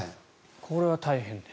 これは大変です。